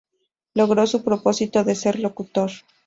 Logró su propósito de ser locutor.